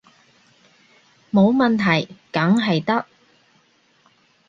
冇問題，梗係得